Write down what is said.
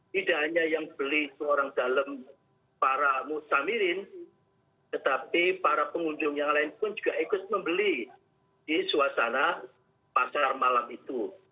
tidak hanya yang beli seorang dalem para musamirin tetapi para pengunjung yang lain pun juga ikut membeli di suasana pasar malam itu